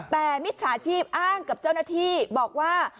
แต่มิจฉาชีพอ้างกับเจ้าหน้าที่บอกว่า